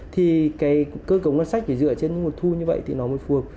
thì cơ cấu ngân sách dựa trên một thu như vậy thì nó mới phù hợp